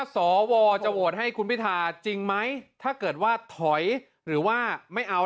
สวจะโหวตให้คุณพิทาจริงไหมถ้าเกิดว่าถอยหรือว่าไม่เอา